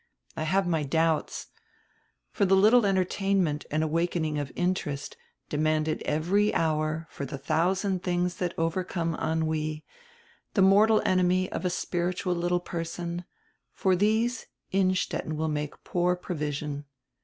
I have my doubts. For die little entertainment and awakening of interest, demanded every hour, for die thousand tilings diat overcome ennui, die mortal enemy of a spiritual little person, for these Innstetten will make poor provision.